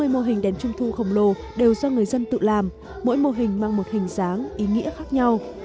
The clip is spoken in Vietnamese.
ba mươi mô hình đèn trung thu khổng lồ đều do người dân tự làm mỗi mô hình mang một hình dáng ý nghĩa khác nhau